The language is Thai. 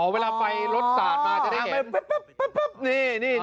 อ๋อเวลาไฟรถซาดมาจะได้เห็น